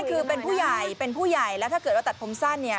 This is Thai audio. คือเป็นผู้ใหญ่เป็นผู้ใหญ่แล้วถ้าเกิดว่าตัดผมสั้นเนี่ย